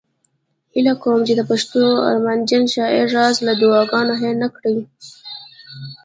هیله کوم چې د پښتنو ارمانجن شاعر راز له دعاګانو هیر نه کړي